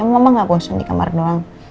mama gak bosan di kamar doang